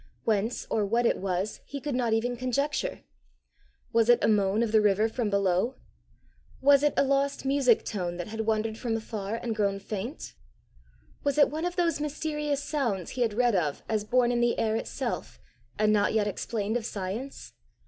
Whence or what it was he could not even conjecture. Was it a moan of the river from below? Was it a lost music tone that had wandered from afar and grown faint? Was it one of those mysterious sounds he had read of as born in the air itself, and not yet explained of science?